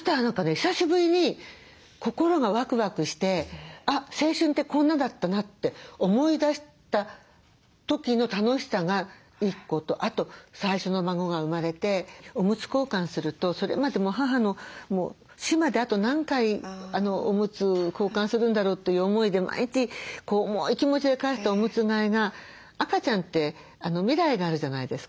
久しぶりに心がワクワクして「あっ青春ってこんなだったな」って思い出した時の楽しさが１個とあと最初の孫が生まれておむつ交換するとそれまでもう母の死まであと何回おむつ交換するんだろうという思いで毎日重い気持ちで替えてたおむつ替えが赤ちゃんって未来があるじゃないですか。